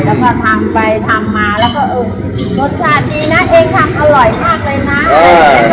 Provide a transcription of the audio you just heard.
แล้วก็ทำไปทำมาแล้วก็เออรสชาติดีนะเองทำอร่อยมากเลยนะ